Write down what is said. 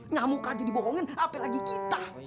nyamuk aja dibohongin apel lagi kita